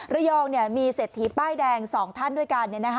ระยองมีเศรษฐีป้ายแดง๒ท่านด้วยกัน